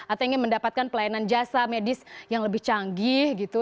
atau ingin mendapatkan pelayanan jasa medis yang lebih canggih gitu